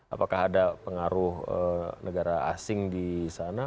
apakah ada pengaruh negara asing di sana